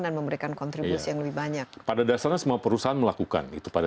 dan memberikan kontribusi yang lebih banyak pada dasarnya semua perusahaan melakukan itu pada